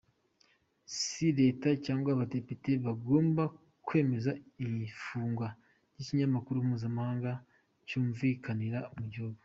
Si Leta cyangwa abadepite bagomba kwemeza ifungwa ry’ikinyamakuru mpuzamahanga cyumvikanira mu gihugu.